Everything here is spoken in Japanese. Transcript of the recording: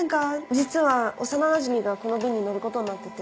実は幼なじみがこの便に乗ることになってて。